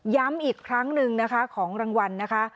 ย้ำอีกครั้งหนึ่งนะคะของรางวัลนะคะ